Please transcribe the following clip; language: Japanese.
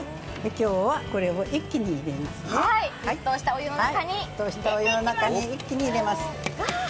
今日はこれを、沸騰したお湯の中に一気に入れます。